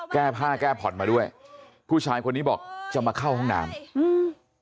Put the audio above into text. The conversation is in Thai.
แก้ผ้าแก้ผ่อนมาด้วยผู้ชายคนนี้บอกจะมาเข้าห้องน้ำอืม